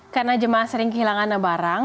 karena jemaah sering kehilangan barang